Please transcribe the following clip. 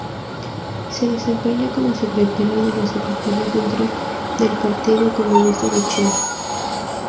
Se desempeña como secretario de la Secretaría Central del Partido Comunista de China.